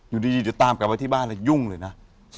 อยู่ดีเดี๋ยวตามกลับมาที่บ้านแล้วยุ่งเลยนะ